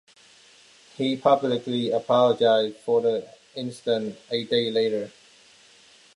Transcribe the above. He publicly apologized for the incident a day later.